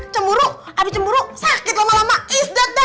cemburu abis cemburu sakit lama lama isdat dah